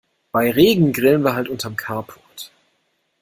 Bei Regen grillen wir halt unterm Carport.